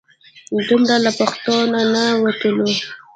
دومره له پښتو نه نه وتلو.